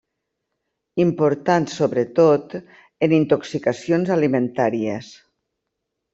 Importants sobretot en intoxicacions alimentàries.